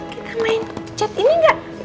kita main cat ini gak